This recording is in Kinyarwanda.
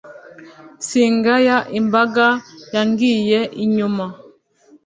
singaya imbaga yangiye inyuma